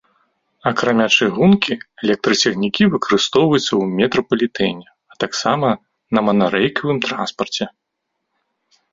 Акрамя чыгункі, электрацягнікі выкарыстоўваюцца ў метрапалітэне, а таксама на манарэйкавым транспарце.